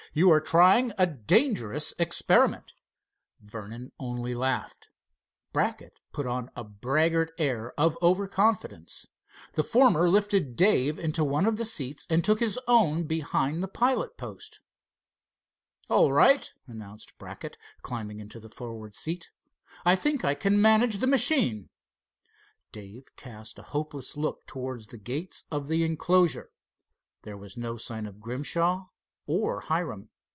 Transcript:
"You are trying a dangerous experiment." Vernon only laughed. Brackett put on a braggart air of over confidence. The former lifted Dave into one of the seats and took his own behind the pilot post. "All right," announced Brackett, climbing into the forward seat. "I think I can manage the machine." Dave cast a hopeless look towards the gates of the enclosure. There was no sign of Grimshaw or Hiram.